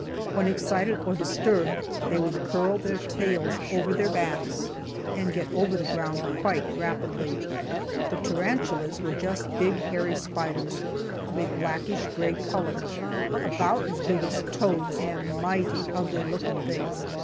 When excited or disturbed, they would curl their tails over their backs, and get over the ground quite rapidly. The tarantulas were just big hairy spiders, of a blackish gray color, about as big as toads, and mighty ugly looking things.